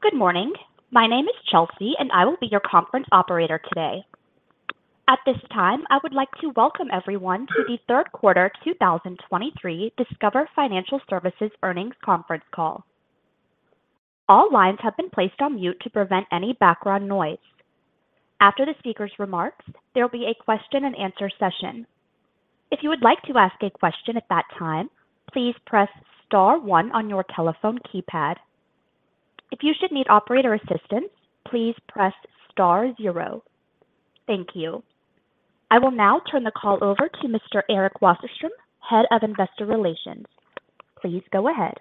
Good morning. My name is Chelsea, and I will be your conference operator today. At this time, I would like to welcome everyone to the third quarter 2023 Discover Financial Services Earnings Conference Call. All lines have been placed on mute to prevent any background noise. After the speaker's remarks, there will be a question-and-answer session. If you would like to ask a question at that time, please press star one on your telephone keypad. If you should need operator assistance, please press star zero. Thank you. I will now turn the call over to Mr. Eric Wasserstrom, Head of Investor Relations. Please go ahead.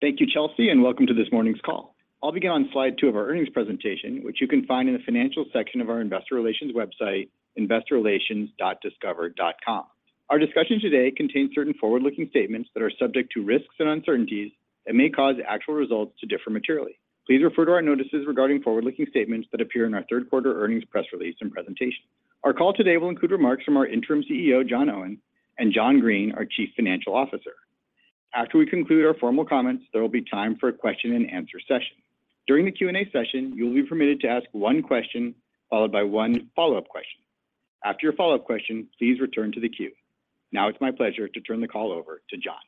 Thank you, Chelsea, and welcome to this morning's call. I'll begin on slide two of our earnings presentation, which you can find in the financial section of our investor relations website, investorrelations.discover.com. Our discussion today contains certain forward-looking statements that are subject to risks and uncertainties that may cause actual results to differ materially. Please refer to our notices regarding forward-looking statements that appear in our third quarter earnings press release and presentation. Our call today will include remarks from our Interim CEO, John Owen, and John Greene, our Chief Financial Officer. After we conclude our formal comments, there will be time for a question-and-answer session. During the Q&A session, you will be permitted to ask one question, followed by one follow-up question. After your follow-up question, please return to the queue. Now it's my pleasure to turn the call over to John.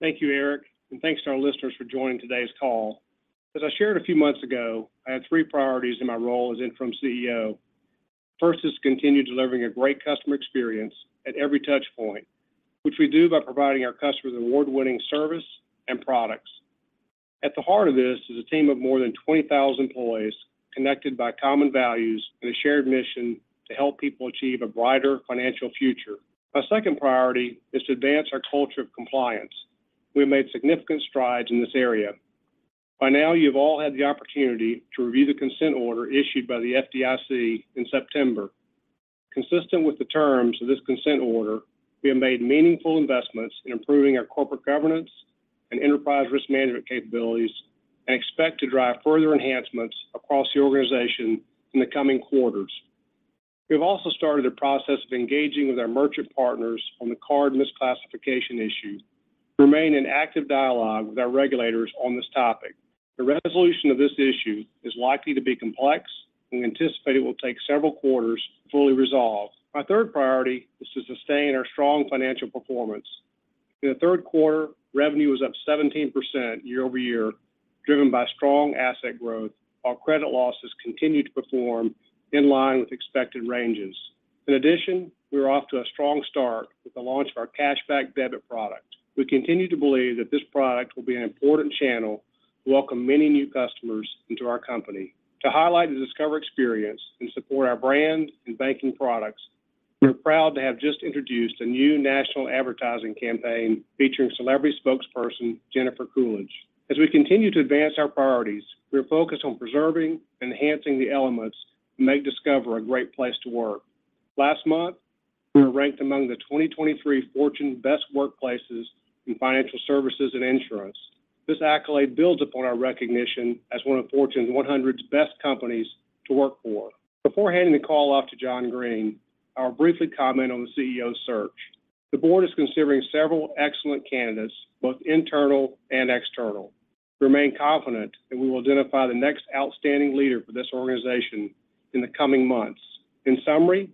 Thank you, Eric, and thanks to our listeners for joining today's call. As I shared a few months ago, I had three priorities in my role as interim CEO. First is to continue delivering a great customer experience at every touch point, which we do by providing our customers award-winning service and products. At the heart of this is a team of more than 20,000 employees connected by common values and a shared mission to help people achieve a brighter financial future. My second priority is to advance our culture of compliance. We have made significant strides in this area. By now, you've all had the opportunity to review the consent order issued by the FDIC in September. Consistent with the terms of this Consent Order, we have made meaningful investments in improving our corporate governance and enterprise risk management capabilities and expect to drive further enhancements across the organization in the coming quarters. We've also started a process of engaging with our merchant partners on the Card Misclassification Issue, to remain in active dialogue with our regulators on this topic. The resolution of this issue is likely to be complex and we anticipate it will take several quarters to fully resolve. My third priority is to sustain our strong financial performance. In the third quarter, revenue was up 17% year-over-year, driven by strong asset growth. Our credit losses continued to perform in line with expected ranges. In addition, we were off to a strong start with the launch of our Cashback Debit product. We continue to believe that this product will be an important channel to welcome many new customers into our company. To highlight the Discover experience and support our brand and banking products, we're proud to have just introduced a new national advertising campaign featuring celebrity spokesperson Jennifer Coolidge. As we continue to advance our priorities, we are focused on preserving and enhancing the elements that make Discover a great place to work. Last month, we were ranked among the 2023 Fortune Best Workplaces in Financial Services and Insurance. This accolade builds upon our recognition as one of Fortune's 100 best companies to work for. Before handing the call off to John Greene, I'll briefly comment on the CEO search. The board is considering several excellent candidates, both internal and external. We remain confident that we will identify the next outstanding leader for this organization in the coming months. In summary,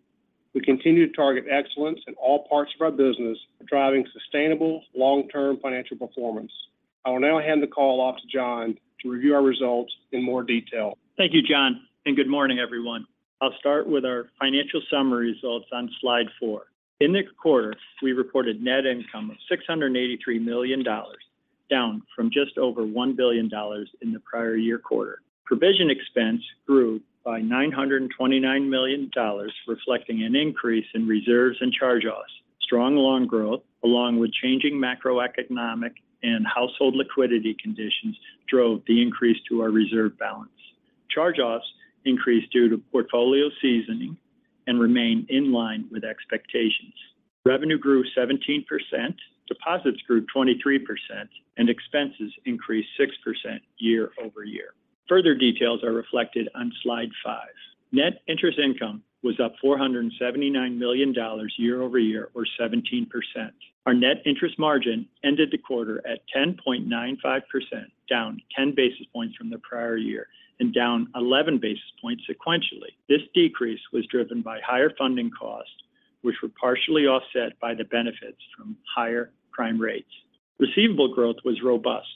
we continue to target excellence in all parts of our business, driving sustainable, long-term financial performance. I will now hand the call off to John to review our results in more detail. Thank you, John, and good morning, everyone. I'll start with our financial summary results on slide four. In the quarter, we reported net income of $683 million, down from just over $1 billion in the prior year quarter. Provision expense grew by $929 million, reflecting an increase in reserves and charge-offs. Strong loan growth, along with changing macroeconomic and household liquidity conditions, drove the increase to our reserve balance. Charge-offs increased due to portfolio seasoning and remained in line with expectations. Revenue grew 17%, deposits grew 23%, and expenses increased 6% year-over-year. Further details are reflected on slide 5. Net interest income was up $479 million year-over-year, or 17%. Our net interest margin ended the quarter at 10.95%, down 10 basis points from the prior year and down 11 basis points sequentially. This decrease was driven by higher funding costs, which were partially offset by the benefits from higher prime rates. Receivable growth was robust.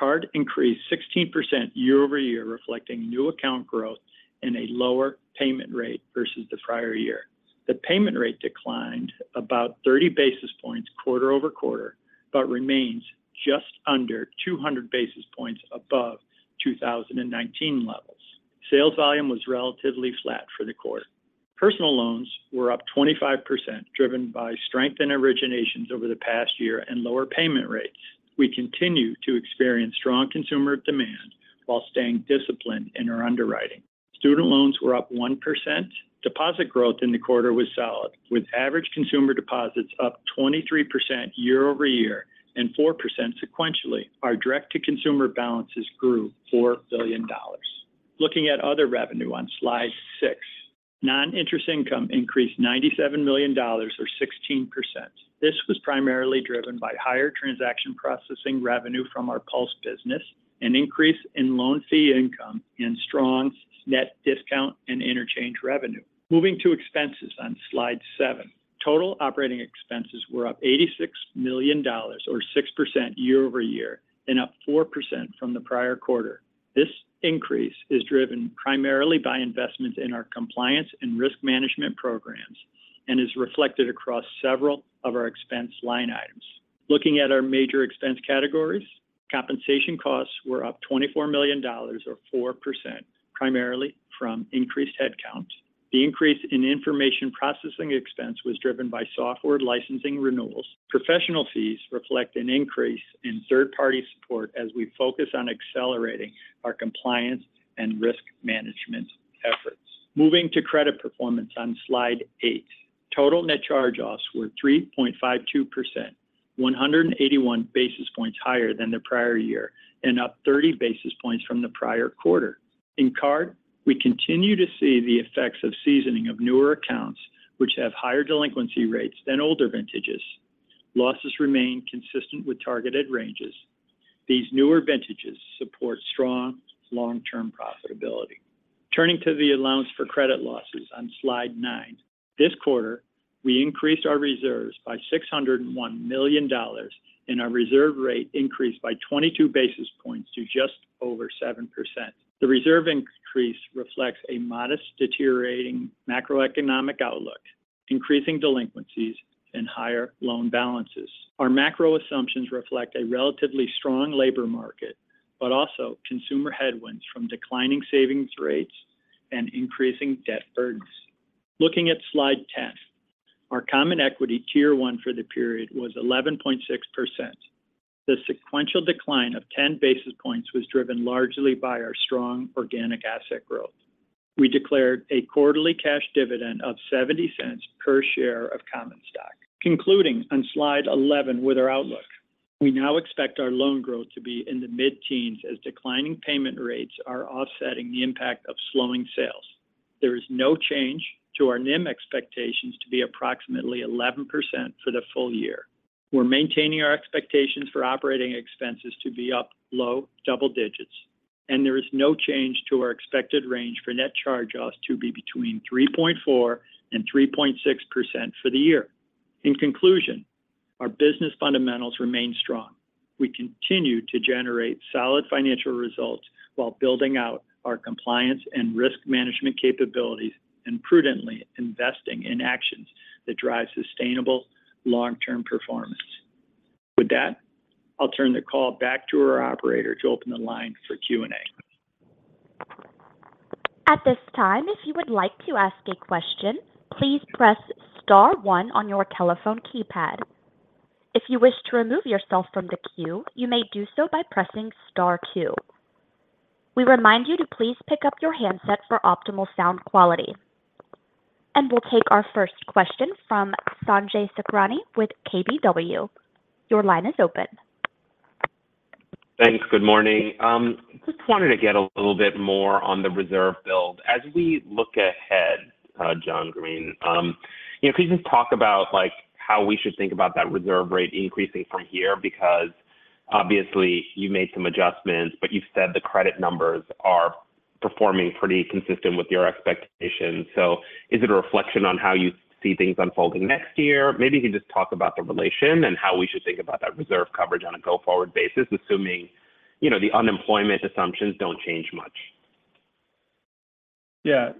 Card increased 16% year over year, reflecting new account growth and a lower payment rate versus the prior year. The payment rate declined about 30 basis points quarter over quarter, but remains just under 200 basis points above 2019 levels. Sales volume was relatively flat for the quarter. Personal loans were up 25%, driven by strength in originations over the past year and lower payment rates. We continue to experience strong consumer demand while staying disciplined in our underwriting. Student loans were up 1%. Deposit growth in the quarter was solid, with average consumer deposits up 23% year over year and 4% sequentially. Our direct-to-consumer balances grew $4 billion. Looking at other revenue on slide six. Non-interest income increased $97 million or 16%. This was primarily driven by higher transaction processing revenue from our PULSE business, an increase in loan fee income, and strong net discount and interchange revenue. Moving to expenses on slide seven. Total operating expenses were up $86 million, or 6% year over year, and up 4% from the prior quarter. This increase is driven primarily by investments in our compliance and risk management programs and is reflected across several of our expense line items. Looking at our major expense categories, compensation costs were up $24 million or 4%, primarily from increased headcount. The increase in information processing expense was driven by software licensing renewals. Professional fees reflect an increase in third-party support as we focus on accelerating our compliance and risk management efforts. Moving to credit performance on slide eight. Total net charge-offs were 3.52%, 181 basis points higher than the prior year, and up 30 basis points from the prior quarter. In card, we continue to see the effects of seasoning of newer accounts, which have higher delinquency rates than older vintages. Losses remain consistent with targeted ranges. These newer vintages support strong long-term profitability. Turning to the allowance for credit losses on slide nine. This quarter, we increased our reserves by $601 million, and our reserve rate increased by 22 basis points to just over 7%. The reserve increase reflects a modest deteriorating macroeconomic outlook, increasing delinquencies, and higher loan balances. Our macro assumptions reflect a relatively strong labor market, but also consumer headwinds from declining savings rates and increasing debt burdens. Looking at slide 10, our Common Equity Tier 1 for the period was 11.6%. The sequential decline of 10 basis points was driven largely by our strong organic asset growth. We declared a quarterly cash dividend of $0.70 per share of common stock. Concluding on slide 11 with our outlook. We now expect our loan growth to be in the mid-teens as declining payment rates are offsetting the impact of slowing sales. There is no change to our NIM expectations to be approximately 11% for the full year. We're maintaining our expectations for operating expenses to be up low double digits, and there is no change to our expected range for net charge-offs to be between 3.4% and 3.6% for the year. In conclusion, our business fundamentals remain strong. We continue to generate solid financial results while building out our compliance and risk management capabilities and prudently investing in actions that drive sustainable long-term performance. With that, I'll turn the call back to our operator to open the line for Q&A. At this time, if you would like to ask a question, please press star one on your telephone keypad. If you wish to remove yourself from the queue, you may do so by pressing star two. We remind you to please pick up your handset for optimal sound quality. We'll take our first question from Sanjay Sakhrani with KBW. Your line is open. Thanks. Good morning. Just wanted to get a little bit more on the reserve build. As we look ahead, John Greene, you know, can you just talk about, like, how we should think about that reserve rate increasing from here? Because obviously, you made some adjustments, but you said the credit numbers are performing pretty consistent with your expectations. So is it a reflection on how you see things unfolding next year? Maybe if you just talk about the relation and how we should think about that reserve coverage on a go-forward basis, assuming, you know, the unemployment assumptions don't change much. Yeah.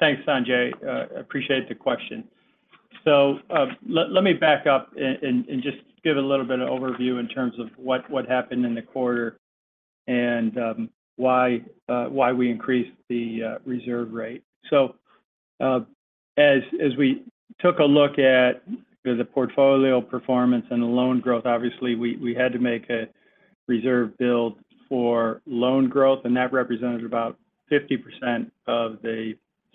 Thanks, Sanjay. Appreciate the question. So, let me back up and just give a little bit of overview in terms of what happened in the quarter and why we increased the reserve rate. So, as we took a look at the portfolio performance and the loan growth, obviously, we had to make a reserve build for loan growth, and that represented about 50% of the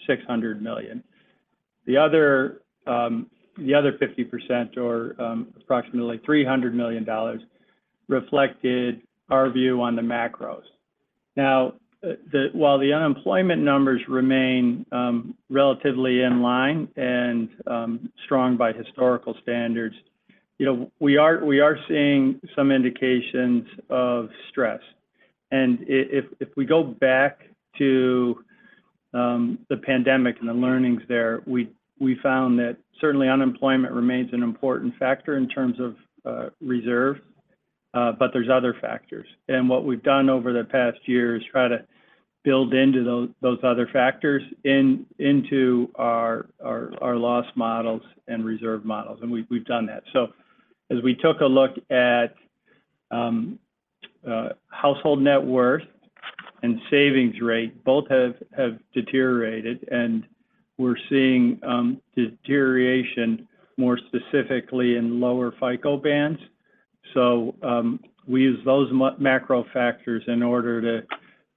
$600 million. The other 50% or approximately $300 million reflected our view on the macros. Now, while the unemployment numbers remain relatively in line and strong by historical standards, you know, we are seeing some indications of stress. If we go back to the pandemic and the learnings there, we found that certainly unemployment remains an important factor in terms of reserve, but there's other factors. What we've done over the past year is try to build into those other factors into our loss models and reserve models, and we've done that. So as we took a look at household net worth and savings rate, both have deteriorated, and we're seeing deterioration more specifically in lower FICO bands. So we use those macro factors in order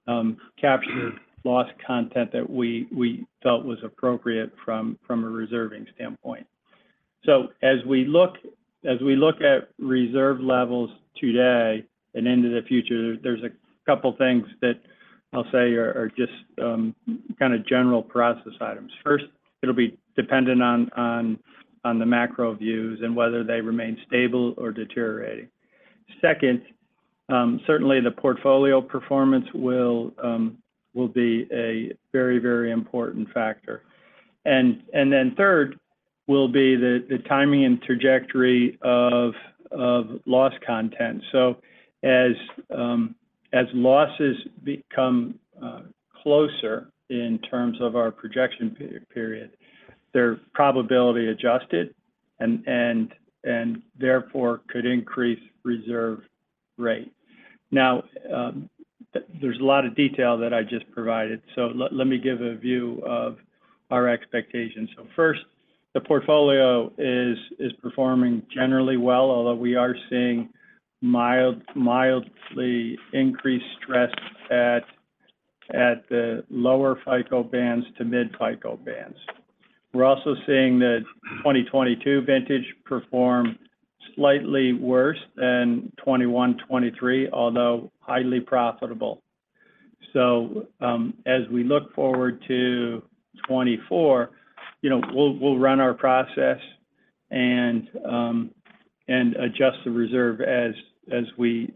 to capture loss content that we felt was appropriate from a reserving standpoint.... So as we look at reserve levels today and into the future, there's a couple things that I'll say are just kind of general process items. First, it'll be dependent on the macro views and whether they remain stable or deteriorating. Second, certainly the portfolio performance will be a very, very important factor. And then third, will be the timing and trajectory of loss content. So as losses become closer in terms of our projection per-period, they're probability adjusted and therefore could increase reserve rate. Now, there's a lot of detail that I just provided, so let me give a view of our expectations. So first, the portfolio is performing generally well, although we are seeing mildly increased stress at the lower FICO bands to mid-FICO bands. We're also seeing the 2022 vintage perform slightly worse than 2021, 2023, although highly profitable. So, as we look forward to 2024, you know, we'll run our process and adjust the reserve as we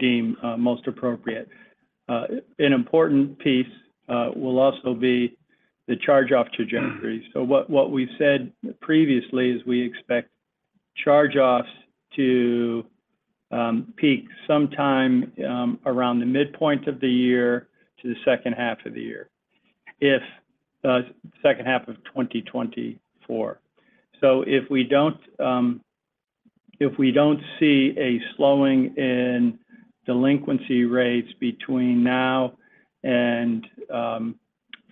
deem most appropriate. An important piece will also be the charge-off trajectory. So what we've said previously is we expect charge-offs to peak sometime around the midpoint of the year to the second half of the year, in the second half of 2024. So if we don't see a slowing in delinquency rates between now and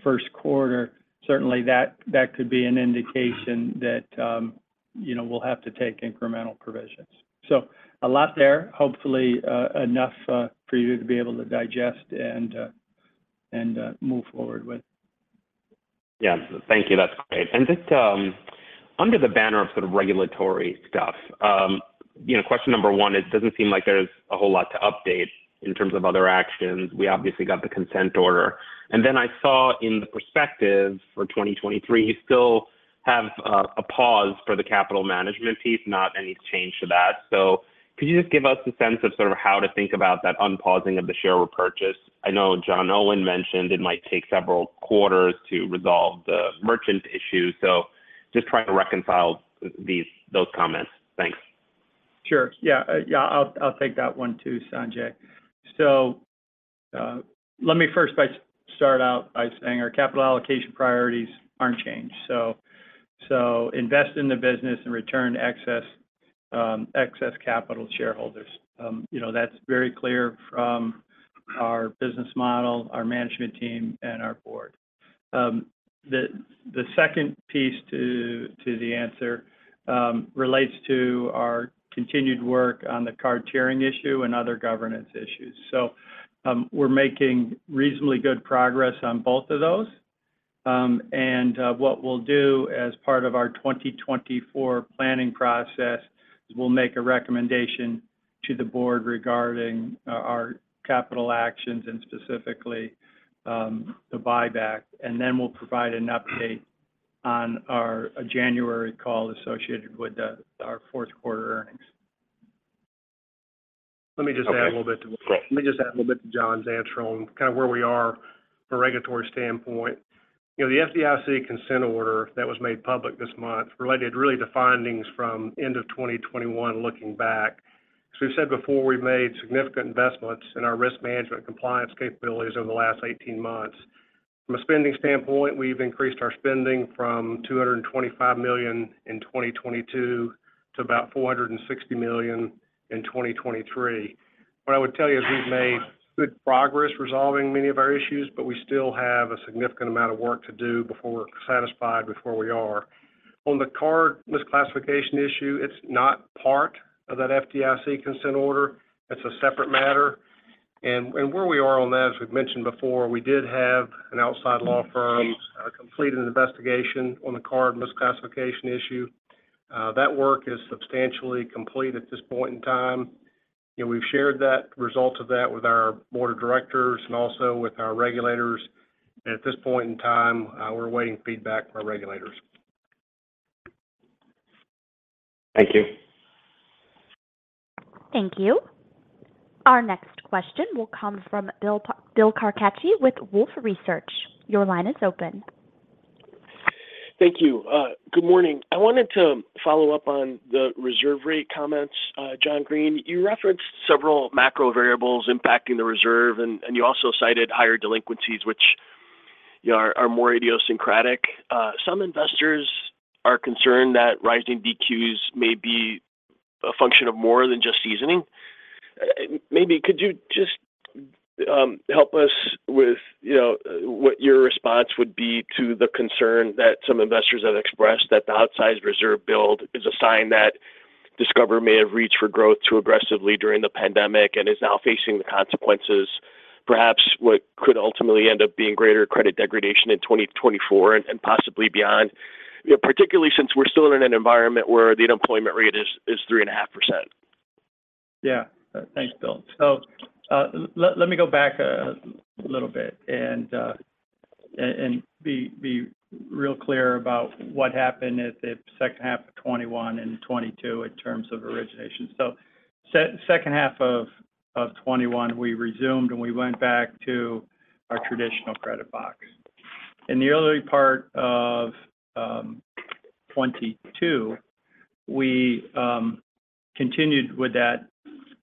first quarter, certainly that could be an indication that, you know, we'll have to take incremental provisions. So a lot there. Hopefully, enough for you to be able to digest and move forward with. Yeah. Thank you. That's great. And just under the banner of sort of regulatory stuff, you know, question number 1, it doesn't seem like there's a whole lot to update in terms of other actions. We obviously got the consent order. And then I saw in the perspective for 2023, you still have a pause for the capital management piece, not any change to that. So could you just give us a sense of sort of how to think about that unpausing of the share repurchase? I know John Owen mentioned it might take several quarters to resolve the merchant issue, so just trying to reconcile those comments. Thanks. Sure. Yeah. Yeah, I'll take that one too, Sanjay. So, let me first start out by saying our capital allocation priorities aren't changed. So, invest in the business and return excess capital to shareholders. You know, that's very clear from our business model, our management team, and our board. The second piece to the answer relates to our continued work on the card tiering issue and other governance issues. So, we're making reasonably good progress on both of those. And, what we'll do as part of our 2024 planning process, is we'll make a recommendation to the board regarding our capital actions and specifically, the buyback. And then we'll provide an update on our January call associated with our fourth quarter earnings. Let me just add a little bit to- Okay, cool. Let me just add a little bit to John's answer on kind of where we are from a regulatory standpoint. You know, the FDIC Consent Order that was made public this month related really to findings from end of 2021, looking back. So we've said before, we've made significant investments in our risk management compliance capabilities over the last 18 months. From a spending standpoint, we've increased our spending from $225 million in 2022 to about $460 million in 2023. What I would tell you is we've made good progress resolving many of our issues, but we still have a significant amount of work to do before we're satisfied with where we are. On the Card Misclassification Issue, it's not part of that FDIC Consent Order. It's a separate matter. Where we are on that, as we've mentioned before, we did have an outside law firm complete an investigation on the Card Misclassification Issue. That work is substantially complete at this point in time. You know, we've shared that results of that with our board of directors and also with our regulators. At this point in time, we're awaiting feedback from our regulators. Thank you. Thank you. Our next question will come from Bill Carcache with Wolfe Research. Your line is open. Thank you. Good morning. I wanted to follow up on the reserve rate comments. John Greene, you referenced several macro variables impacting the reserve, and you also cited higher delinquencies, which, you know, are more idiosyncratic. Some investors are concerned that rising DQs may be a function of more than just seasoning. Maybe could you just help us with, you know, what your response would be to the concern that some investors have expressed that the outsized reserve build is a sign that Discover may have reached for growth too aggressively during the pandemic and is now facing the consequences, perhaps what could ultimately end up being greater credit degradation in 2024 and possibly beyond? You know, particularly since we're still in an environment where the unemployment rate is 3.5%. Yeah. Thanks, Bill. So, let me go back a little bit, and be real clear about what happened at the second half of 2021 and 2022 in terms of origination. So second half of 2021, we resumed, and we went back to our traditional credit box. In the early part of 2022, we continued with that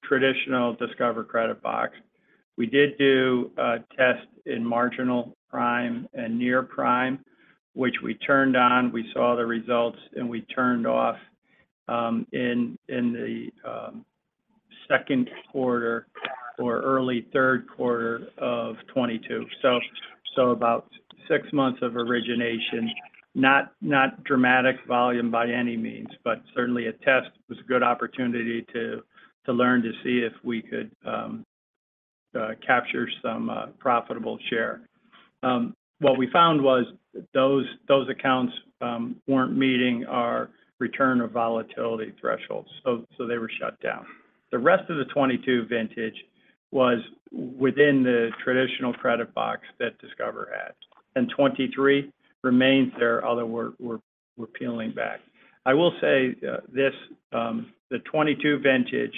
traditional Discover credit box. We did do a test in marginal prime and near prime, which we turned on. We saw the results, and we turned off in the second quarter or early third quarter of 2022. So about six months of origination, not dramatic volume by any means, but certainly a test. It was a good opportunity to learn to see if we could capture some profitable share. What we found was those accounts weren't meeting our return or volatility thresholds, so they were shut down. The rest of the 2022 vintage was within the traditional credit box that Discover had, and 2023 remains there, although we're peeling back. I will say, this, the 2022 vintage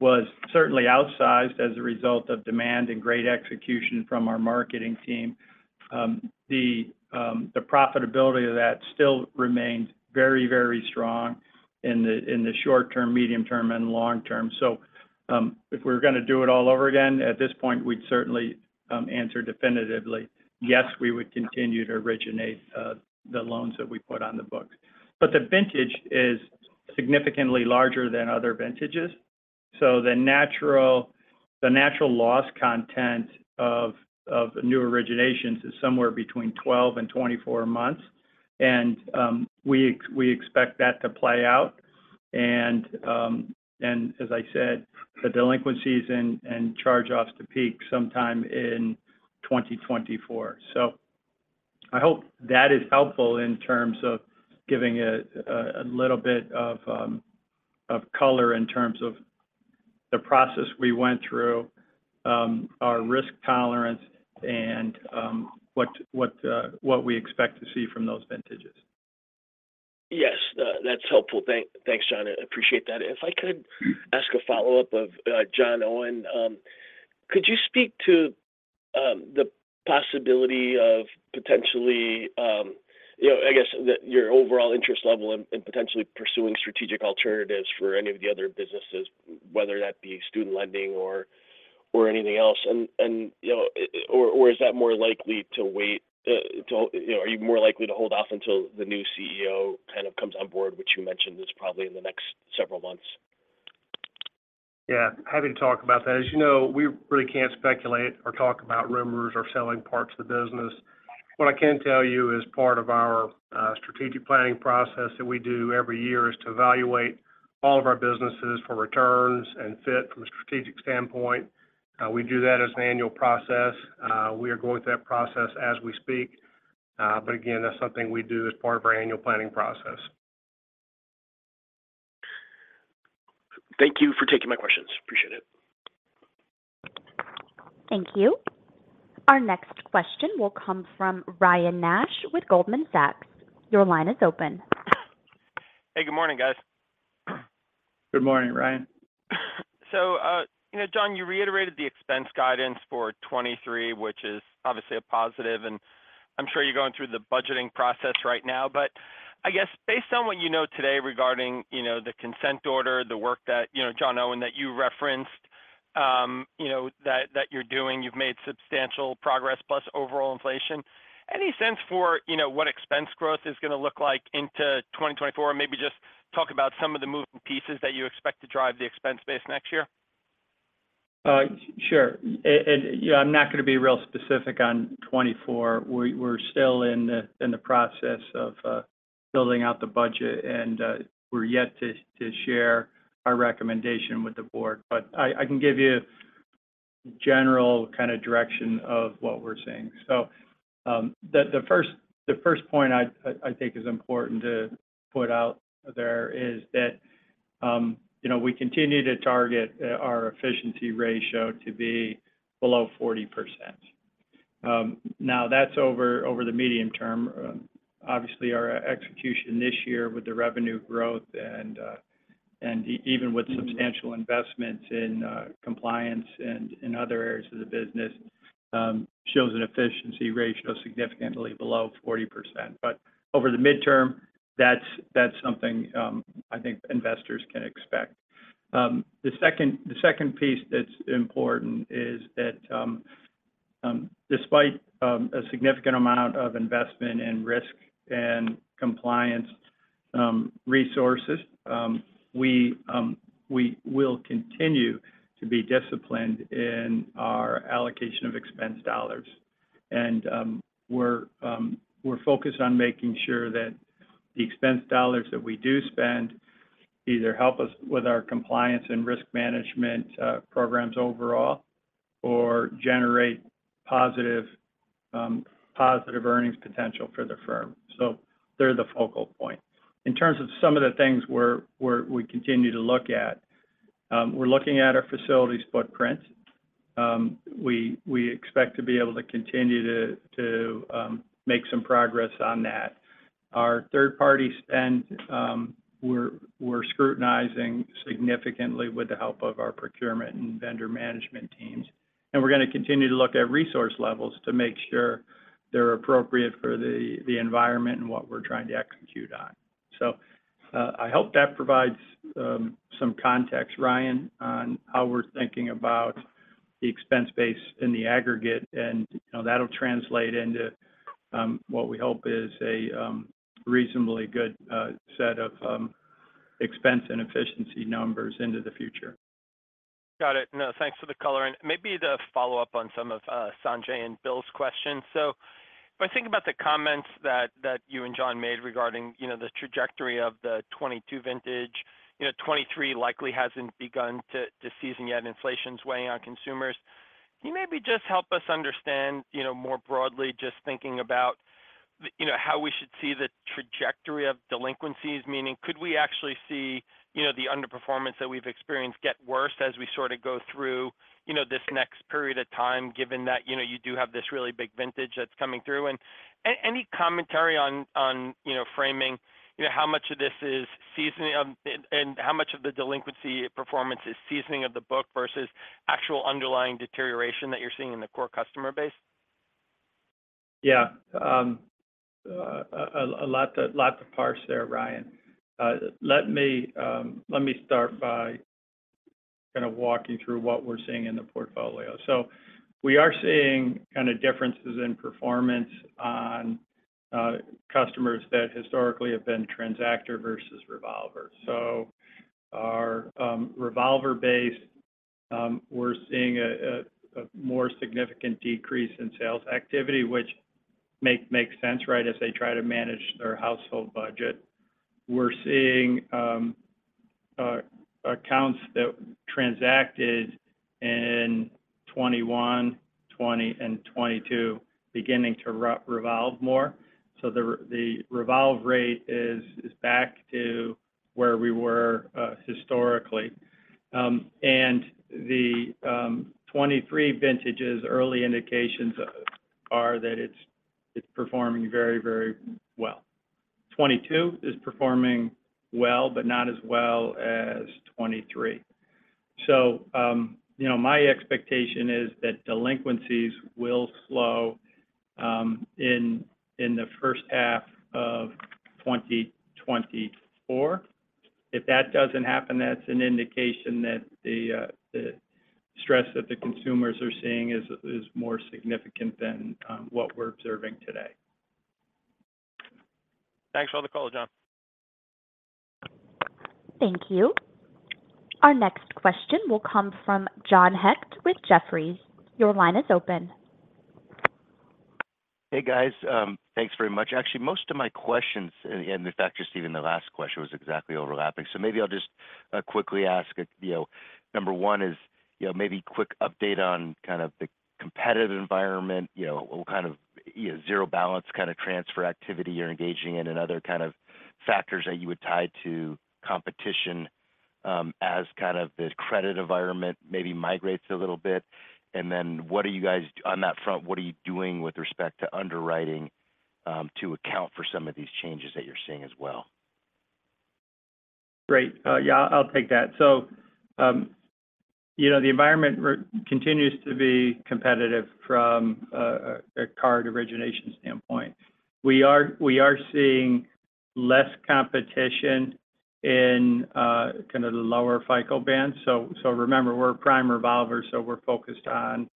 was certainly outsized as a result of demand and great execution from our marketing team. The profitability of that still remains very, very strong in the short term, medium term, and long term. So, if we're gonna do it all over again, at this point, we'd certainly answer definitively, "Yes, we would continue to originate the loans that we put on the books." But the vintage is significantly larger than other vintages, so the natural loss content of new originations is somewhere between 12-24 months, and we expect that to play out. And as I said, the delinquencies and charge-offs to peak sometime in 2024. So I hope that is helpful in terms of giving a little bit of color in terms of the process we went through, our risk tolerance, and what we expect to see from those vintages. Yes. That's helpful. Thanks, John. I appreciate that. If I could ask a follow-up of John Owen, could you speak to the possibility of potentially... You know, I guess, your overall interest level in potentially pursuing strategic alternatives for any of the other businesses, whether that be student lending or, or anything else? And, and, you know, or, or is that more likely to wait, to... You know, are you more likely to hold off until the new CEO kind of comes on board, which you mentioned is probably in the next several months? Yeah, happy to talk about that. As you know, we really can't speculate or talk about rumors or selling parts of the business. What I can tell you, as part of our strategic planning process that we do every year, is to evaluate all of our businesses for returns and fit from a strategic standpoint. We do that as an annual process. We are going through that process as we speak. But again, that's something we do as part of our annual planning process. Thank you for taking my questions. Appreciate it. Thank you. Our next question will come from Ryan Nash with Goldman Sachs. Your line is open. Hey, good morning, guys. Good morning, Ryan. So, you know, John, you reiterated the expense guidance for 2023, which is obviously a positive, and I'm sure you're going through the budgeting process right now. But I guess, based on what you know today regarding, you know, the consent order, the work that, you know, John Owen, that you referenced, you know, that, that you're doing, you've made substantial progress, plus overall inflation, any sense for, you know, what expense growth is going to look like into 2024? Or maybe just talk about some of the moving pieces that you expect to drive the expense base next year. Sure. And, you know, I'm not going to be real specific on 2024. We're still in the process of building out the budget, and we're yet to share our recommendation with the board. But I can give you a general kind of direction of what we're seeing. So, the first point I think is important to put out there is that, you know, we continue to target our efficiency ratio to be below 40%. Now, that's over the medium term. Obviously, our execution this year with the revenue growth and even with substantial investments in compliance and in other areas of the business shows an efficiency ratio significantly below 40%. But over the midterm, that's something I think investors can expect. The second piece that's important is that, despite a significant amount of investment in risk and compliance resources, we will continue to be disciplined in our allocation of expense dollars, and we're focused on making sure that the expense dollars that we do spend either help us with our compliance and risk management programs overall, or generate positive earnings potential for the firm. So they're the focal point. In terms of some of the things we continue to look at, we're looking at our facilities footprint. We expect to be able to continue to make some progress on that. Our third-party spend, we're scrutinizing significantly with the help of our procurement and vendor management teams. And we're going to continue to look at resource levels to make sure they're appropriate for the environment and what we're trying to execute on. So, I hope that provides some context, Ryan, on how we're thinking about the expense base in the aggregate, and, you know, that'll translate into what we hope is a reasonably good set of expense and efficiency numbers into the future. Got it. No, thanks for the color in. Maybe the follow-up on some of Sanjay and Bill's questions. So if I think about the comments that you and John made regarding, you know, the trajectory of the 2022 vintage, you know, 2023 likely hasn't begun to season yet, inflation's weighing on consumers. Can you maybe just help us understand, you know, more broadly, just thinking about the, you know, how we should see the trajectory of delinquencies? Meaning, could we actually see, you know, the underperformance that we've experienced get worse as we sort of go through, you know, this next period of time, given that, you know, you do have this really big vintage that's coming through? And any commentary on, you know, framing, you know, how much of this is seasoning, and how much of the delinquency performance is seasoning of the book versus actual underlying deterioration that you're seeing in the core customer base? Yeah. Lots of parts there, Ryan. Let me start by kind of walking through what we're seeing in the portfolio. So we are seeing kind of differences in performance on customers that historically have been transactor versus revolver. So our revolver base, we're seeing a more significant decrease in sales activity, which makes sense, right? As they try to manage their household budget. We're seeing accounts that transacted in 2021, 2020, and 2022 beginning to revolve more. So the revolve rate is back to where we were historically. And the 2023 vintages, early indications are that it's performing very, very well. 2022 is performing well, but not as well as 2023. So, you know, my expectation is that delinquencies will slow in the first half of 2024. If that doesn't happen, that's an indication that the stress that the consumers are seeing is more significant than what we're observing today. Thanks for all the color, John. Thank you. Our next question will come from John Hecht with Jefferies. Your line is open. Hey, guys. Thanks very much. Actually, most of my questions, and, and in fact, just even the last question was exactly overlapping. So maybe I'll just quickly ask, you know, number one is, you know, maybe a quick update on kind of the competitive environment, you know, what kind of, you know, zero balance kind of transfer activity you're engaging in, and other kind of factors that you would tie to competition, as kind of the credit environment maybe migrates a little bit. And then, what are you guys on that front, what are you doing with respect to underwriting, to account for some of these changes that you're seeing as well? Great. Yeah, I'll take that. So, you know, the environment continues to be competitive from a card origination standpoint. We are seeing less competition in kind of the lower FICO band. So remember, we're a prime revolver, so we're focused on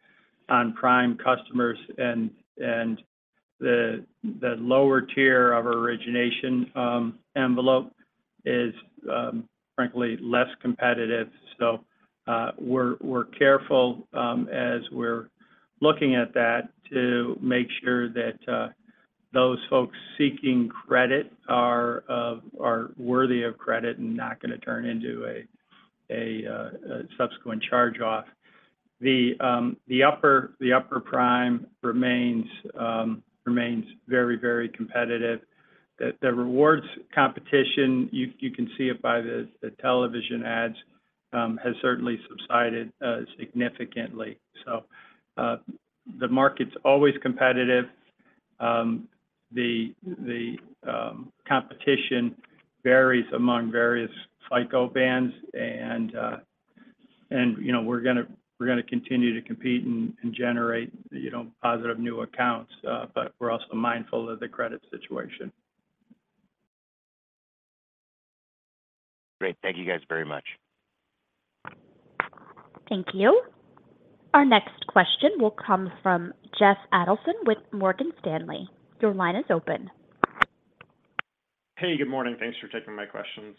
prime customers, and the lower tier of our origination envelope is frankly less competitive. So, we're careful as we're looking at that, to make sure that those folks seeking credit are worthy of credit and not going to turn into a subsequent charge-off. The upper prime remains very, very competitive. The rewards competition, you can see it by the television ads, has certainly subsided significantly. So, the market's always competitive. The competition varies among various FICO bands, and you know, we're going to continue to compete and generate, you know, positive new accounts, but we're also mindful of the credit situation. Great. Thank you, guys, very much. Thank you. Our next question will come from Jeff Adelson with Morgan Stanley. Your line is open.... Hey, good morning. Thanks for taking my questions.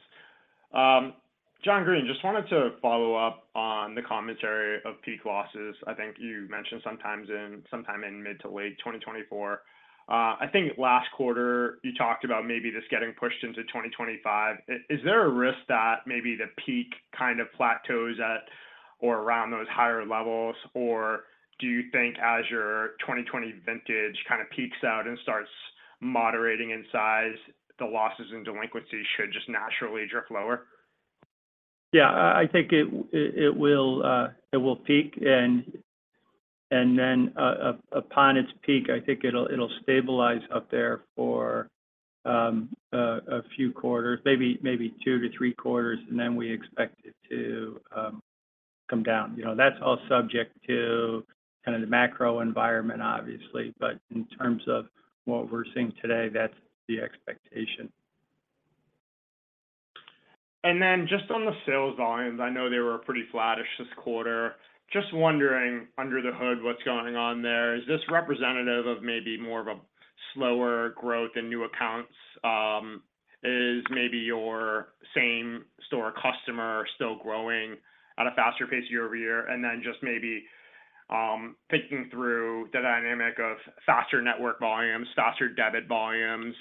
John Greene, just wanted to follow up on the commentary of peak losses. I think you mentioned sometime in mid to late 2024. I think last quarter, you talked about maybe this getting pushed into 2025. Is there a risk that maybe the peak kind of plateaus at or around those higher levels? Or do you think as your 2020 vintage kind of peaks out and starts moderating in size, the losses in delinquency should just naturally drift lower? Yeah, I think it will peak. And then, upon its peak, I think it'll stabilize up there for a few quarters, maybe two to three quarters, and then we expect it to come down. You know, that's all subject to kind of the macro environment, obviously. But in terms of what we're seeing today, that's the expectation. And then just on the sales volumes, I know they were pretty flattish this quarter. Just wondering, under the hood, what's going on there? Is this representative of maybe more of a slower growth in new accounts? Is maybe your same store customer still growing at a faster pace year-over-year? And then just maybe, thinking through the dynamic of faster network volumes, faster debit volumes,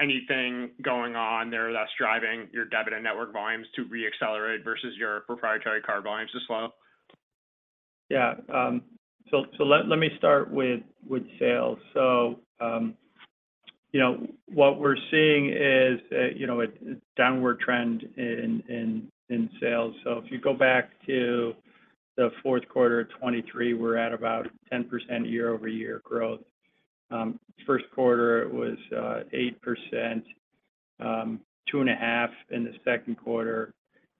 anything going on there that's driving your debit and network volumes to reaccelerate versus your proprietary card volumes to slow? Yeah. So let me start with sales. So, you know, what we're seeing is, you know, a downward trend in sales. So if you go back to the fourth quarter of 2023, we're at about 10% year-over-year growth. First quarter, it was 8%, 2.5 in the second quarter,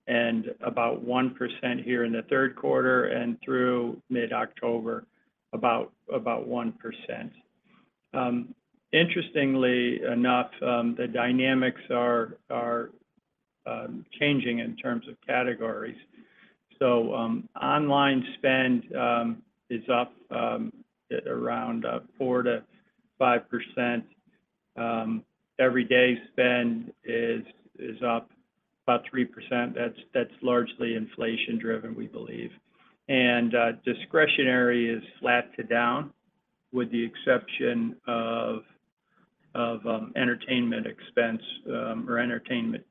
and about 1% here in the third quarter, and through mid October, about 1%. Interestingly enough, the dynamics are changing in terms of categories. So, online spend is up at around 4%-5%. Everyday spend is up about 3%. That's largely inflation driven, we believe. Discretionary is flat to down, with the exception of entertainment expense or entertainment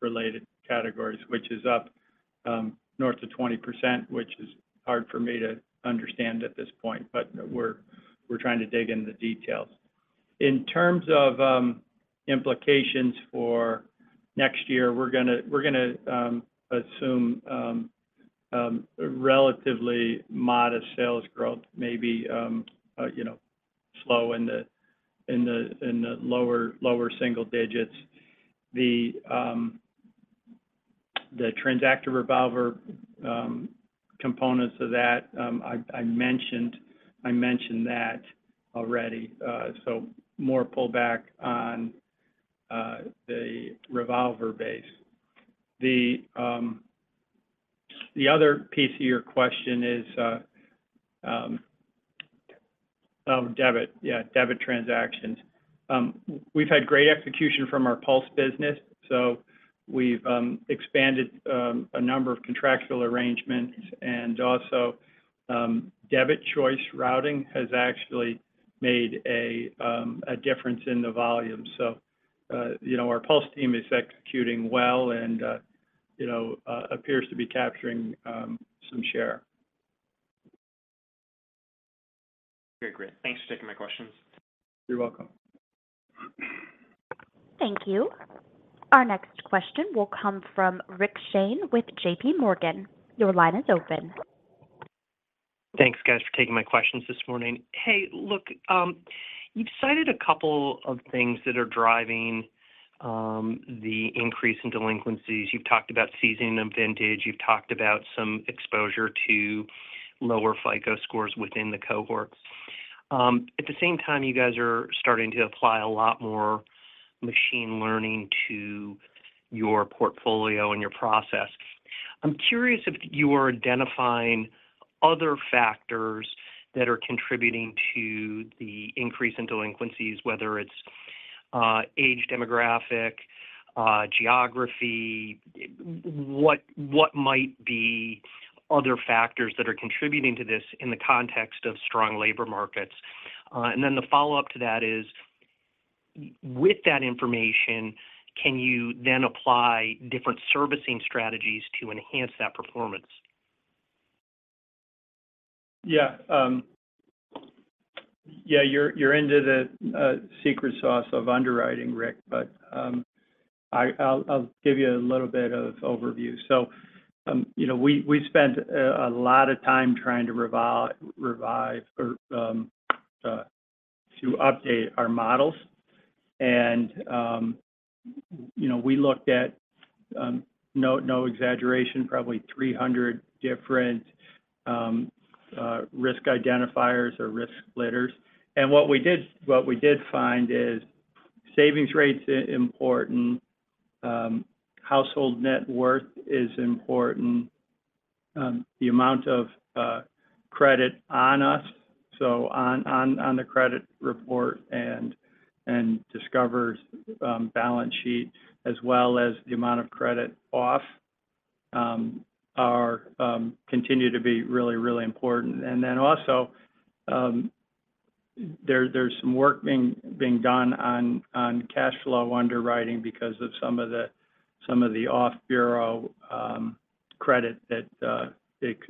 related categories, which is up north of 20%, which is hard for me to understand at this point, but we're trying to dig into the details. In terms of implications for next year, we're going to assume a relatively modest sales growth, maybe you know, slow in the lower single digits. The transactor revolver components of that, I mentioned that already. So more pullback on the revolver base. The other piece of your question is, oh, debit. Yeah, debit transactions. We've had great execution from our Pulse business, so we've expanded a number of contractual arrangements, and also, debit choice routing has actually made a difference in the volume. So, you know, our Pulse team is executing well, and, you know, appears to be capturing some share. Very great. Thanks for taking my questions. You're welcome. Thank you. Our next question will come from Rick Shane with J.P. Morgan. Your line is open. Thanks, guys, for taking my questions this morning. Hey, look, you've cited a couple of things that are driving the increase in delinquencies. You've talked about seasoning and vintage. You've talked about some exposure to lower FICO scores within the cohort. At the same time, you guys are starting to apply a lot more machine learning to your portfolio and your process. I'm curious if you are identifying other factors that are contributing to the increase in delinquencies, whether it's age, demographic, geography. What might be other factors that are contributing to this in the context of strong labor markets? And then the follow-up to that is, with that information, can you then apply different servicing strategies to enhance that performance? Yeah. Yeah, you're into the secret sauce of underwriting, Rick, but I'll give you a little bit of overview. So, you know, we spent a lot of time trying to revive or to update our models. And, you know, we looked at no exaggeration, probably 300 different risk identifiers or risk splitters. And what we did find is savings rates are important, household net worth is important... the amount of credit on us so on the credit report and Discover's balance sheet, as well as the amount of credit off continue to be really, really important. And then also, there's some work being done on cash flow underwriting because of some of the off-bureau credit that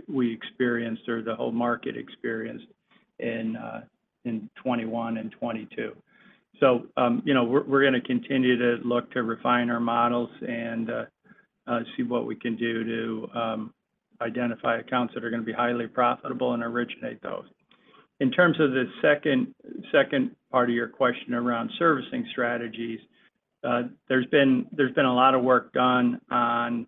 we experienced or the whole market experienced in 2021 and 2022. So, you know, we're going to continue to look to refine our models and see what we can do to identify accounts that are going to be highly profitable and originate those. In terms of the second part of your question around servicing strategies, there's been a lot of work done on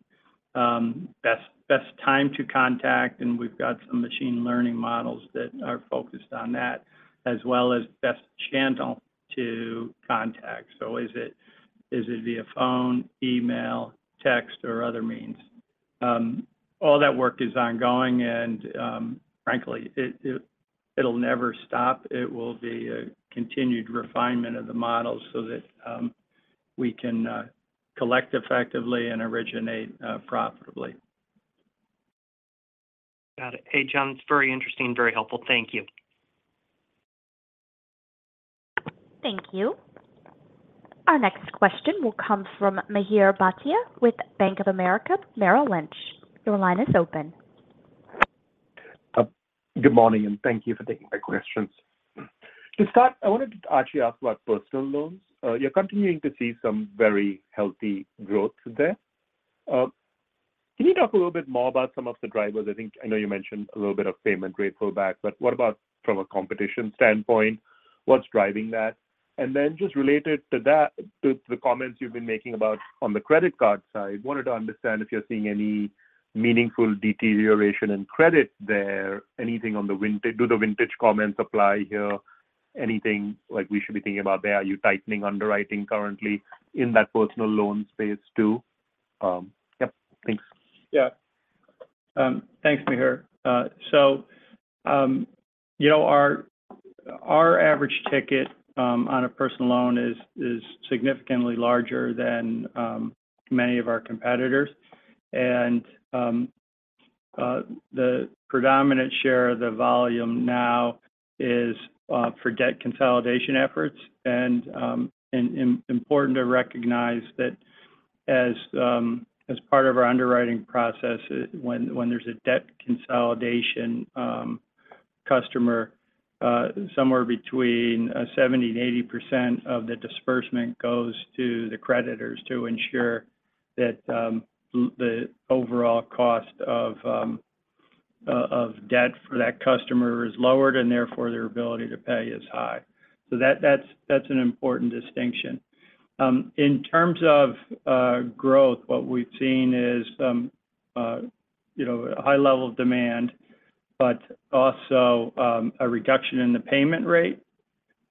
best time to contact, and we've got some machine learning models that are focused on that, as well as best channel to contact. So is it via phone, email, text, or other means? All that work is ongoing, and frankly, it’ll never stop. It will be a continued refinement of the models so that we can collect effectively and originate profitably. Got it. Hey, John, it's very interesting and very helpful. Thank you. Thank you. Our next question will come from Mihir Bhatia with Bank of America Merrill Lynch. Your line is open. Good morning, and thank you for taking my questions. To start, I wanted to actually ask about personal loans. You're continuing to see some very healthy growth there. Can you talk a little bit more about some of the drivers? I think I know you mentioned a little bit of payment rate pullback, but what about from a competition standpoint? What's driving that? And then just related to that, to the comments you've been making about on the credit card side, wanted to understand if you're seeing any meaningful deterioration in credit there, anything on the vintage? Do the vintage comments apply here? Anything like we should be thinking about there? Are you tightening underwriting currently in that personal loan space, too? Yep, thanks. Yeah. Thanks, Mihir. So, you know, our average ticket on a personal loan is significantly larger than many of our competitors. And the predominant share of the volume now is for debt consolidation efforts, and important to recognize that as part of our underwriting process, when there's a debt consolidation customer, somewhere between 70%-80% of the disbursement goes to the creditors to ensure that the overall cost of debt for that customer is lowered, and therefore, their ability to pay is high. So that's an important distinction. In terms of growth, what we've seen is, you know, a high level of demand, but also a reduction in the payment rate.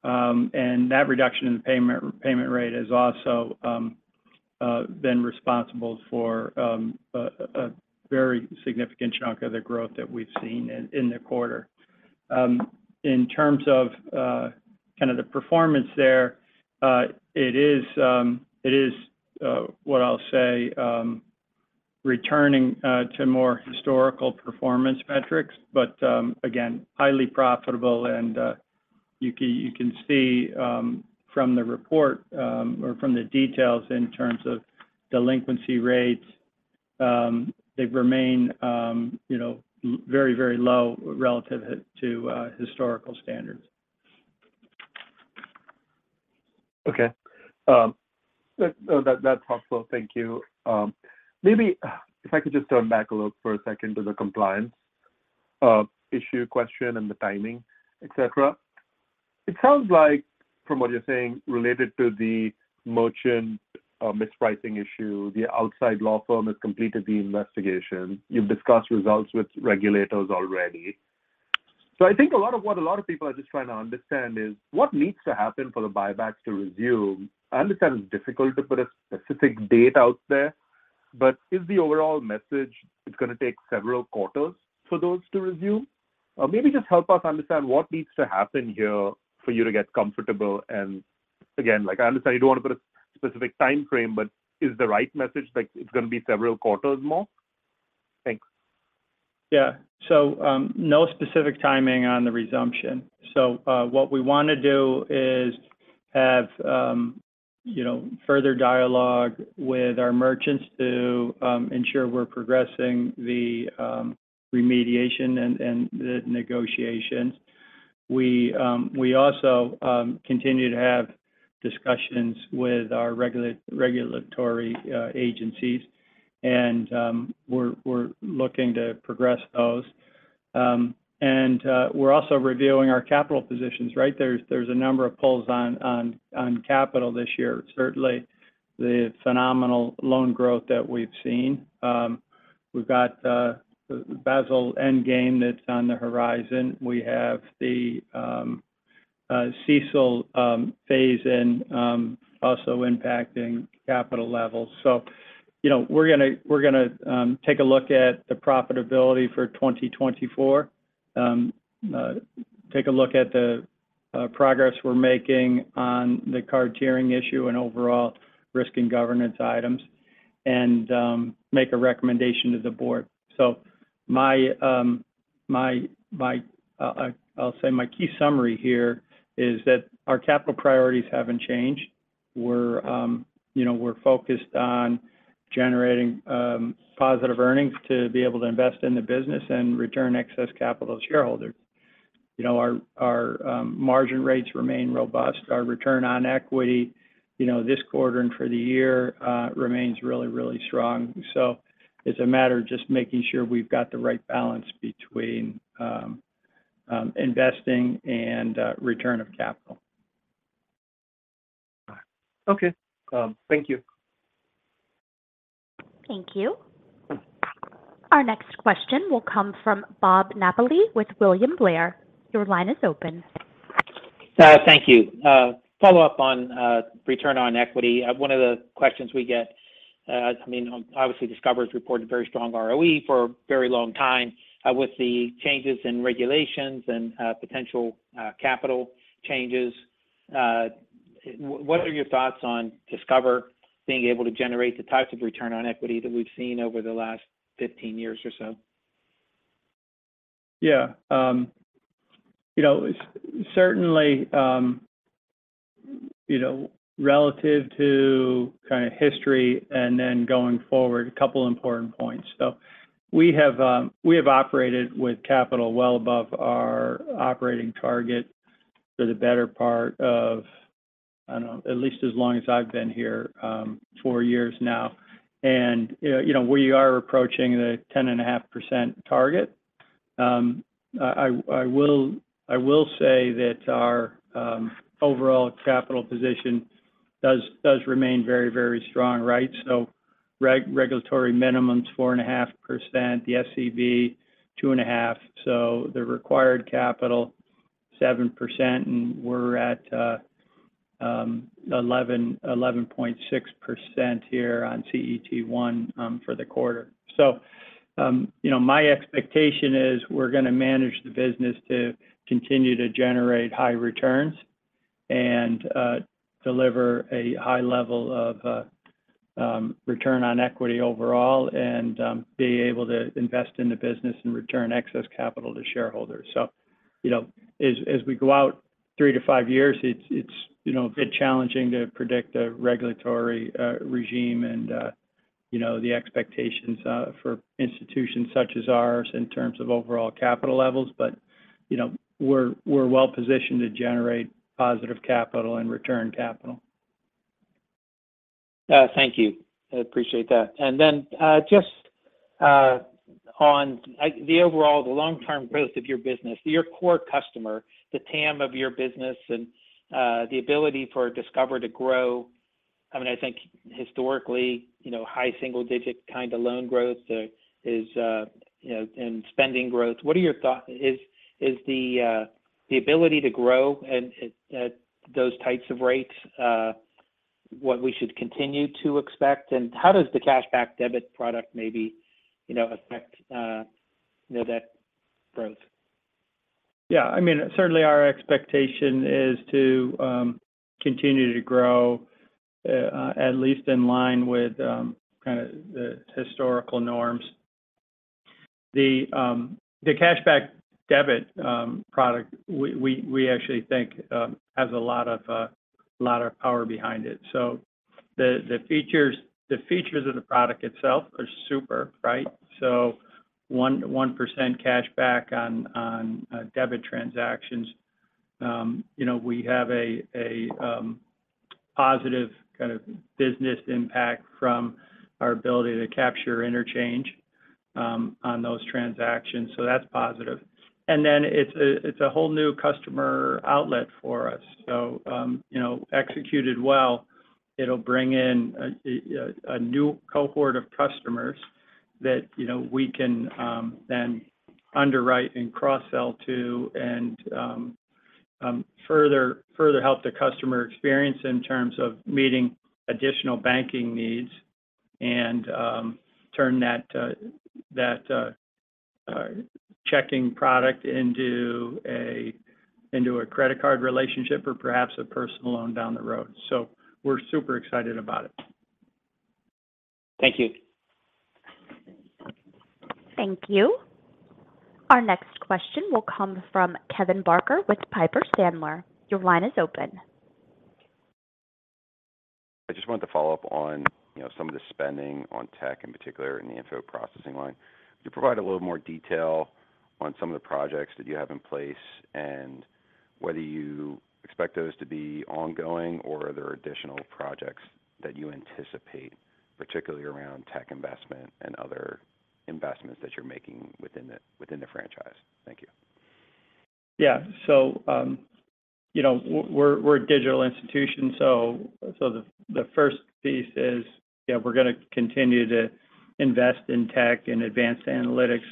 And that reduction in the payment rate has also been responsible for a very significant chunk of the growth that we've seen in the quarter. In terms of kind of the performance there, it is what I'll say returning to more historical performance metrics, but again, highly profitable and you can see from the report or from the details in terms of delinquency rates, they've remained you know very very low relative to historical standards. Okay. That's helpful. Thank you. Maybe if I could just turn back a little for a second to the compliance issue question and the timing, et cetera. It sounds like from what you're saying, related to the merchant mispricing issue, the outside law firm has completed the investigation. You've discussed results with regulators already. So I think a lot of what a lot of people are just trying to understand is what needs to happen for the buyback to resume? I understand it's difficult to put a specific date out there, but is the overall message, it's going to take several quarters for those to resume? Maybe just help us understand what needs to happen here for you to get comfortable. Again, like, I understand you don't want to put a specific time frame, but is the right message like it's going to be several quarters more? Thanks. Yeah. So, no specific timing on the resumption. So, what we want to do is have, you know, further dialogue with our merchants to ensure we're progressing the remediation and the negotiations. We also continue to have discussions with our regulatory agencies, and we're looking to progress those. And we're also reviewing our capital positions, right? There's a number of pulls on capital this year. Certainly, the phenomenal loan growth that we've seen. We've got the Basel Endgame that's on the horizon. We have the CECL phase in also impacting capital levels. So, you know, we're gonna take a look at the profitability for 2024. Take a look at the progress we're making on the card tiering issue and overall risk and governance items, and make a recommendation to the board. So I'll say my key summary here is that our capital priorities haven't changed. We're, you know, we're focused on generating positive earnings to be able to invest in the business and return excess capital to shareholders. You know, our margin rates remain robust. Our return on equity, you know, this quarter and for the year, remains really, really strong. So it's a matter of just making sure we've got the right balance between investing and return of capital. Okay. Thank you. Thank you. Our next question will come from Bob Napoli with William Blair. Your line is open. Thank you. Follow up on return on equity. One of the questions we get, I mean, obviously, Discover's reported very strong ROE for a very long time. With the changes in regulations and potential capital changes, what are your thoughts on Discover being able to generate the types of return on equity that we've seen over the last 15 years or so? Yeah. You know, certainly, you know, relative to kind of history and then going forward, a couple important points. So we have, we have operated with capital well above our operating target for the better part of, I don't know, at least as long as I've been here, four years now. And, you know, we are approaching the 10.5% target. I will, I will say that our, overall capital position does, does remain very, very strong, right? So regulatory minimums, 4.5%, the SCB, 2.5. So the required capital, 7%, and we're at, eleven point six percent here on CET1, for the quarter. So, you know, my expectation is we're gonna manage the business to continue to generate high returns and deliver a high level of return on equity overall, and be able to invest in the business and return excess capital to shareholders. So, you know, as we go out three to five years, it's you know, a bit challenging to predict a regulatory regime and you know, the expectations for institutions such as ours in terms of overall capital levels. But, you know, we're well positioned to generate positive capital and return capital. Thank you. I appreciate that. And then, just, on, like, the overall, the long-term growth of your business, your core customer, the TAM of your business, and, the ability for Discover to grow, I mean, I think historically, you know, high single digit kind of loan growth, is, you know, and spending growth. What are your thoughts? Is the ability to grow at those types of rates what we should continue to expect? And how does the Cashback Debit product maybe, you know, affect, you know, that growth? Yeah, I mean, certainly our expectation is to continue to grow at least in line with kind of the historical norms. The Cashback Debit product, we actually think has a lot of power behind it. So the features of the product itself are super, right? So 1%-1% cash back on debit transactions. You know, we have a positive kind of business impact from our ability to capture interchange on those transactions, so that's positive. And then it's a whole new customer outlet for us. So, you know, executed well, it'll bring in a new cohort of customers that, you know, we can then underwrite and cross-sell to, and further help the customer experience in terms of meeting additional banking needs and turn that checking product into a credit card relationship or perhaps a personal loan down the road. So we're super excited about it. Thank you. Thank you. Our next question will come from Kevin Barker with Piper Sandler. Your line is open. I just wanted to follow up on, you know, some of the spending on tech, in particular in the info processing line. Could you provide a little more detail on some of the projects that you have in place and whether you expect those to be ongoing, or are there additional projects that you anticipate, particularly around tech investment and other investments that you're making within the franchise? Thank you. Yeah. So, you know, we're a digital institution, so the first piece is, yeah, we're gonna continue to invest in tech and advanced analytics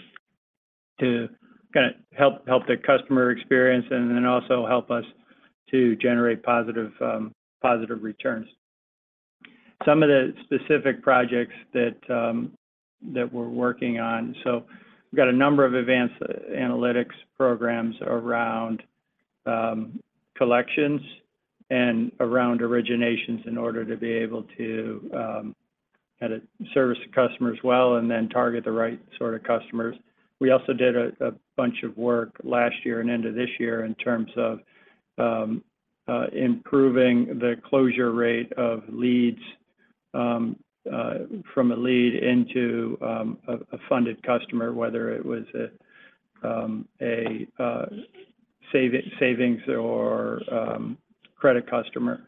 to kind of help the customer experience and then also help us to generate positive returns. Some of the specific projects that we're working on: so we've got a number of advanced analytics programs around collections and around originations in order to be able to kind of service the customers well and then target the right sort of customers. We also did a bunch of work last year and into this year in terms of improving the closure rate of leads from a lead into a funded customer, whether it was a savings or credit customer.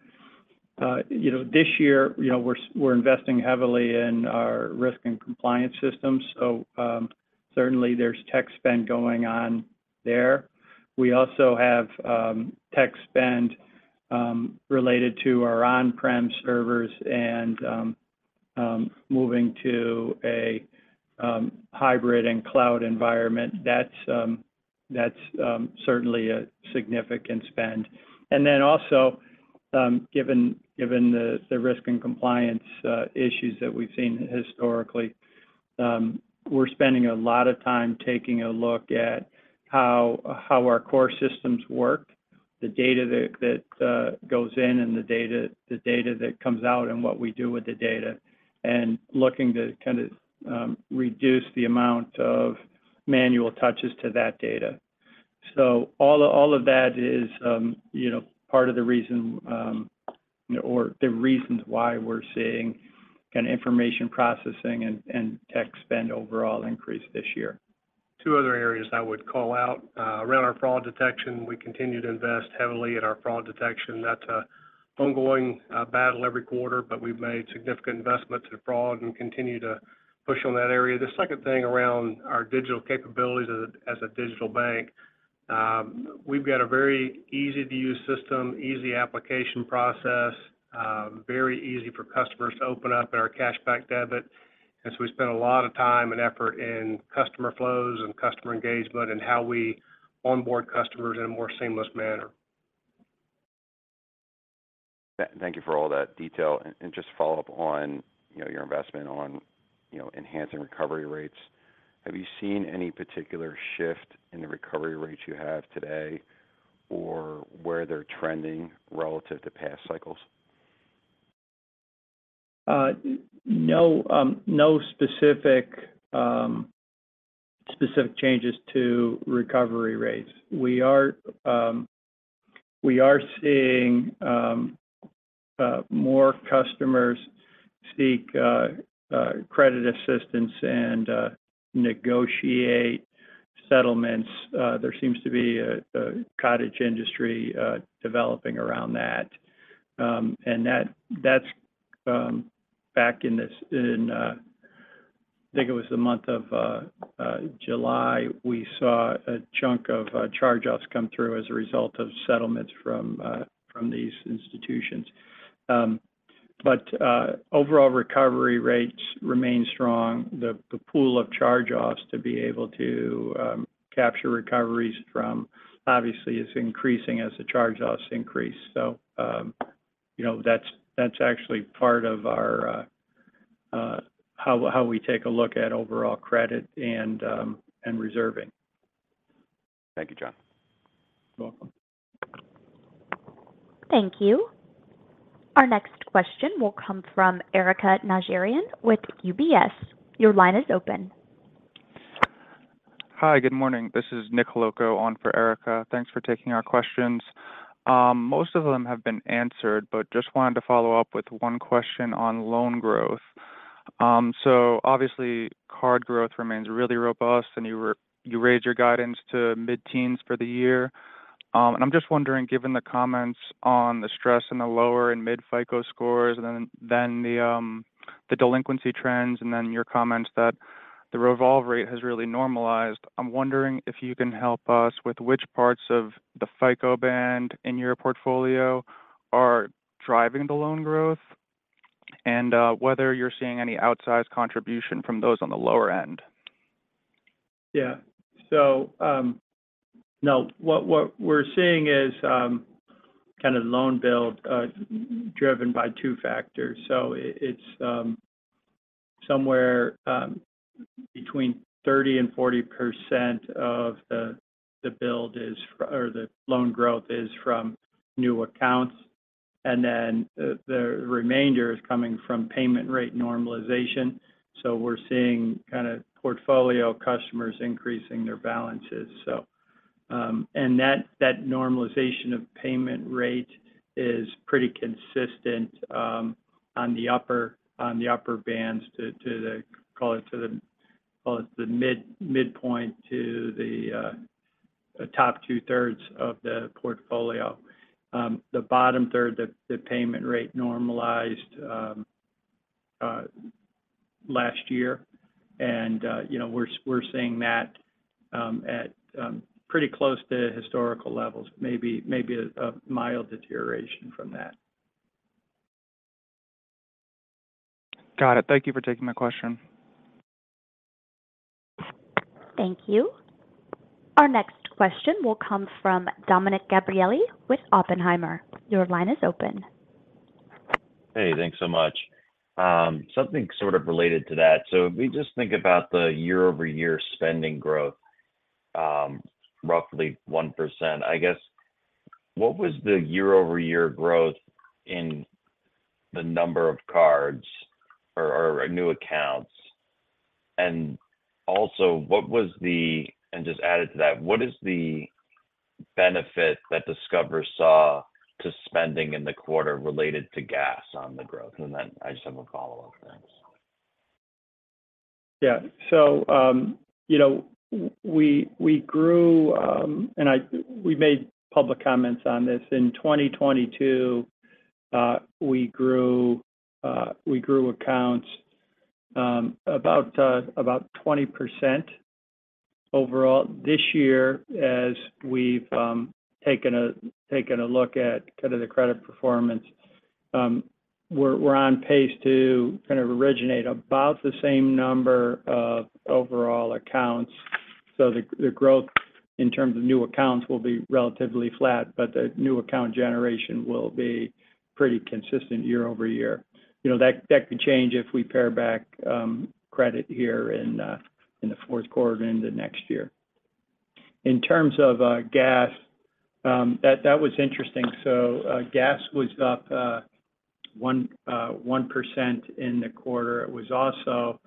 You know, this year, you know, we're investing heavily in our risk and compliance systems, so certainly there's tech spend going on there. We also have tech spend related to our on-prem servers and moving to a hybrid and cloud environment. That's certainly a significant spend. And then also, given the risk and compliance issues that we've seen historically, we're spending a lot of time taking a look at how our core systems work, the data that goes in, and the data that comes out, and what we do with the data, and looking to kind of reduce the amount of manual touches to that data. All of that is, you know, part of the reason, you know, or the reasons why we're seeing an information processing and tech spend overall increase this year. Two other areas I would call out. Around our fraud detection, we continue to invest heavily in our fraud detection. That's an ongoing battle every quarter, but we've made significant investments in fraud and continue to push on that area. The second thing around our digital capabilities as a digital bank. We've got a very easy-to-use system, easy application process, very easy for customers to open up our Cashback Debit. And so we spend a lot of time and effort in customer flows and customer engagement, and how we onboard customers in a more seamless manner. Thank you for all that detail. And just to follow up on, you know, your investment on, you know, enhancing recovery rates. Have you seen any particular shift in the recovery rates you have today, or where they're trending relative to past cycles? No specific changes to recovery rates. We are seeing more customers seek credit assistance and negotiate settlements. There seems to be a cottage industry developing around that. And that's... Back in, I think it was the month of July, we saw a chunk of charge-offs come through as a result of settlements from these institutions. But overall recovery rates remain strong. The pool of charge-offs to be able to capture recoveries from obviously is increasing as the charge-offs increase. So, you know, that's actually part of our how we take a look at overall credit and reserving. Thank you, John. You're welcome. Thank you. Our next question will come from Erika Najarian with UBS. Your line is open. Hi, good morning. This is Nick Rocco on for Erika. Thanks for taking our questions. Most of them have been answered, but just wanted to follow up with one question on loan growth. So obviously, card growth remains really robust, and you raised your guidance to mid-teens for the year. And I'm just wondering, given the comments on the stress in the lower and mid FICO scores, and then, then the, the delinquency trends, and then your comments that the revolve rate has really normalized, I'm wondering if you can help us with which parts of the FICO band in your portfolio are driving the loan growth, and, whether you're seeing any outsized contribution from those on the lower end? Yeah. So, now what we're seeing is kind of loan build driven by two factors. So it's somewhere between 30%-40% of the build is, or the loan growth is from new accounts, and then the remainder is coming from payment rate normalization. So we're seeing kind of portfolio customers increasing their balances. So and that normalization of payment rate is pretty consistent on the upper bands to the call it the midpoint to the top two-thirds of the portfolio. The bottom third, the payment rate normalized last year. And you know, we're seeing that at pretty close to historical levels, maybe a mild deterioration from that. Got it. Thank you for taking my question. Thank you. Our next question will come from Dominick Gabriele with Oppenheimer. Your line is open. Hey, thanks so much. Something sort of related to that. So if we just think about the year-over-year spending growth, roughly 1%, I guess, what was the year-over-year growth in the number of cards or, or new accounts? And also, what was the—and just added to that, what is the benefit that Discover saw to spending in the quarter related to gas on the growth? And then I just have a follow-up for next. Yeah. So, you know, we grew, and we made public comments on this. In 2022, we grew accounts about 20% overall. This year, as we've taken a look at kind of the credit performance, we're on pace to kind of originate about the same number of overall accounts. So the growth in terms of new accounts will be relatively flat, but the new account generation will be pretty consistent year-over-year. You know, that could change if we pare back credit here in the fourth quarter into next year. In terms of gas, that was interesting. So, gas was up 1% in the quarter. It was also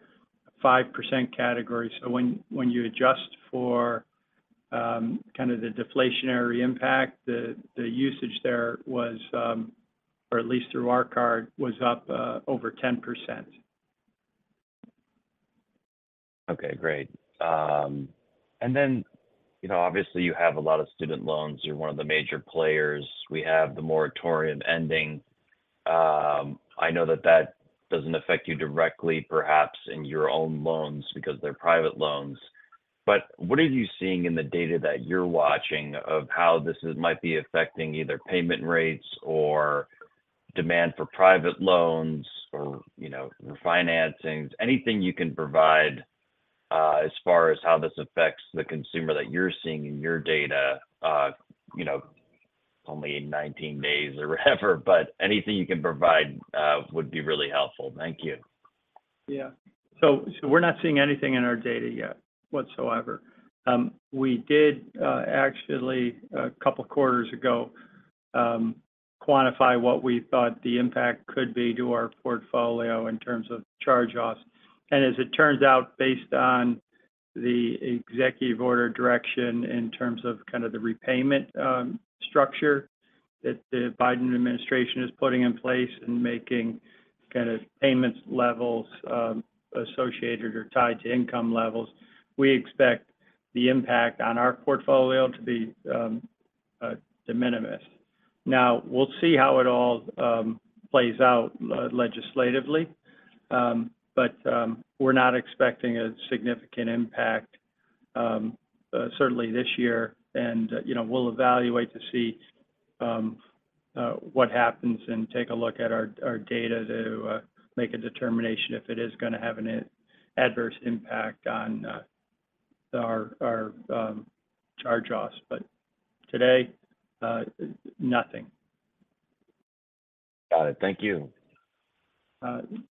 5% category. When you adjust for kind of the deflationary impact, the usage there was, or at least through our card, was up over 10%. Okay, great. And then, you know, obviously you have a lot of student loans. You're one of the major players. We have the moratorium ending. I know that that doesn't affect you directly, perhaps in your own loans, because they're private loans. But what are you seeing in the data that you're watching of how this is might be affecting either payment rates or demand for private loans or, you know, refinancings? Anything you can provide, as far as how this affects the consumer that you're seeing in your data, you know, only in 19 days or whatever, but anything you can provide, would be really helpful. Thank you. Yeah. So, so we're not seeing anything in our data yet whatsoever. We did, actually, a couple of quarters ago, quantify what we thought the impact could be to our portfolio in terms of charge-offs. And as it turns out, based on the executive order direction in terms of kind of the repayment, structure that the Biden administration is putting in place and making kind of payments levels, associated or tied to income levels, we expect the impact on our portfolio to be, de minimis. Now, we'll see how it all plays out legislatively, but, we're not expecting a significant impact, certainly this year. And, you know, we'll evaluate to see what happens and take a look at our data to make a determination if it is gonna have an adverse impact on our charge-offs. But today, nothing. Got it. Thank you.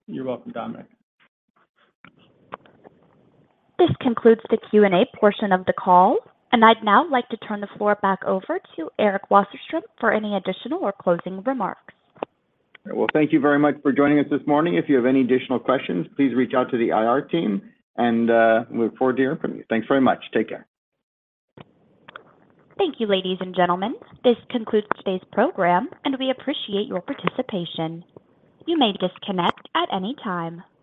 You're welcome, Dominick. This concludes the Q&A portion of the call, and I'd now like to turn the floor back over to Eric Wasserstrom for any additional or closing remarks. Well, thank you very much for joining us this morning. If you have any additional questions, please reach out to the IR team, and we look forward to hearing from you. Thanks very much. Take care. Thank you, ladies and gentlemen. This concludes today's program, and we appreciate your participation. You may disconnect at any time.